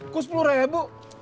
kok rp sepuluh